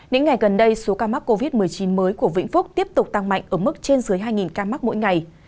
những ngày gần đây số ca mắc covid một mươi chín mới của vĩnh phúc tiếp tục tăng mạnh ở mức trên dưới hai ca mắc mỗi ngày